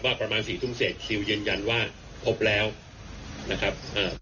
ว่าประมาณ๔ทุ่มเสร็จซิลยืนยันว่าพบแล้วนะครับ